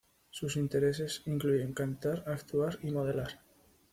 Sus intereses incluyen cantar, actuar y modelar.